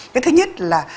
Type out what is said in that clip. cái thứ nhất là